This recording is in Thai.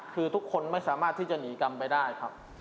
คือทุกคนไม่สามารถที่จะหนีกรรมไปได้ครับ